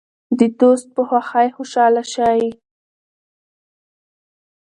د دوست په خوښۍ خوشحاله شئ.